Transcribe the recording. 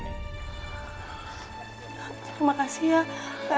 ibu mbak ayesa